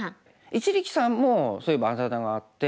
一力さんもそういえばあだ名があって。